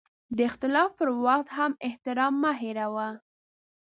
د اختلاف پر وخت هم احترام مه هېروه.